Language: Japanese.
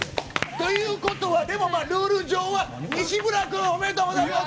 ということは、ルール上は西村君、おめでとうございます！